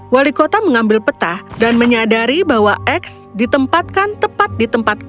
wali kota mengambil peta dan menyadari bahwa x ditempatkan tepat di tempat kerja